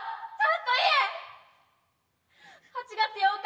８月８日。